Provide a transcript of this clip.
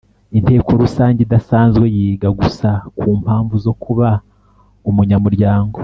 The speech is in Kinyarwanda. Inteko rusange idasanzwe yiga gusa ku mpamvu zo kuba umunyamuryango